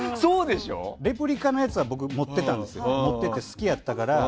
レプリカのやつは僕、持ってたんですけど好きやったから。